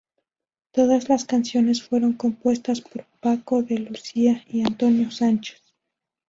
Todas las canciones fueron compuestas por Paco de Lucía y Antonio Sánchez.